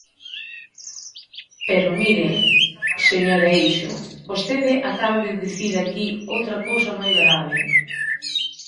Pero mire, señora Eixo, vostede acaba de dicir aquí outra cousa moi grave.